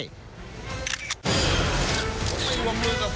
ผมไม่วงมือกับคนเลวหรอก